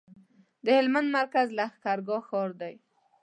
د هلمند مرکز لښکرګاه ښار دی